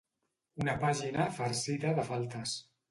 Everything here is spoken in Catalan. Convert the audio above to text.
Una pàgina farcida de faltes.